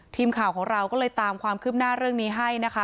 ทีมข่าวของเราก็เลยตามความคืบหน้าเรื่องนี้ให้นะคะ